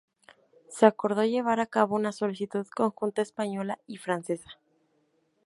Se acordó llevar a cabo una solicitud conjunta española y francesa.